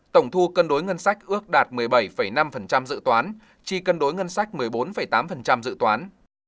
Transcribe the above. tổng thu cân đối ngân sách ước đạt một mươi bảy năm dự toán chi cân đối ngân sách một mươi bốn tám dự toán